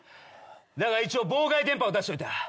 だが一応妨害電波を出しといた。